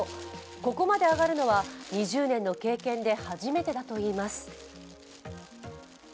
ここまで上がるのは２０年の経験で初めてだといいます。